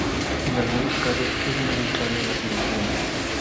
En algunos casos es necesario la cirugía.